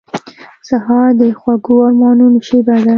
سهار د خوږو ارمانونو شېبه ده.